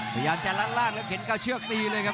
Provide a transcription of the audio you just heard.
พยายามจะลัดล่างแล้วเข็นเข้าเชือกตีเลยครับ